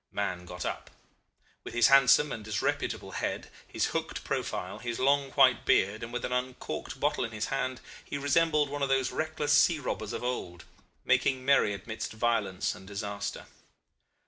Mahon got up. With his handsome and disreputable head, his hooked profile, his long white beard, and with an uncorked bottle in his hand, he resembled one of those reckless sea robbers of old making merry amidst violence and disaster.